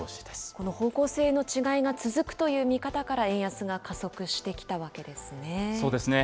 この方向性の違いが続くという見方から、円安が加速してきたそうですね。